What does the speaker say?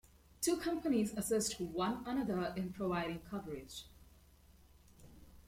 The two companies assist one another in providing coverage.